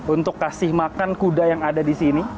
untuk kasih makan kuda yang ada di sini